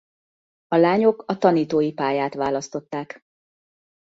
A lányok a tanítói pályát választották.